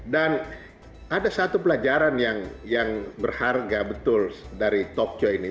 dan ada satu pelajaran yang berharga betul dari tokyo ini